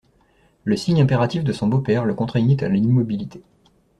Le signe impératif de son beau-père le contraignit à l'immobilité.